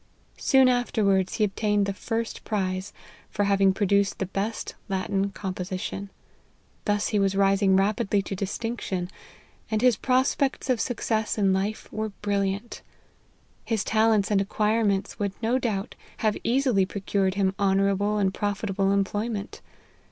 Soon afterwards he ob tained the first prize, for having produced the best Latin composition. Thus he was rising rapidly to distinction, .and his prospects of success in life were brilliant. His talents and acquirements would no doubt have easily procured him honourable and profitable employment.